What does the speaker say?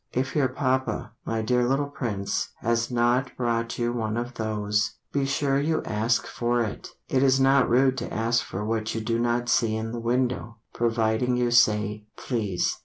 If your Papa, my dear little Prince, Has not brought you one of those, Be sure you ask for it. It is not rude to ask for what you do not see in the window, Providing you say "Please."